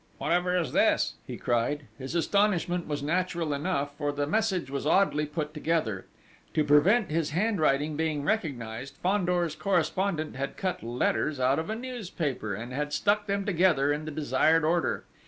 "Whatever is this?" he cried. His astonishment was natural enough, for the message was oddly put together. To prevent his handwriting being recognised, Fandor's correspondent had cut letters out of a newspaper, and had stuck them together in the desired order.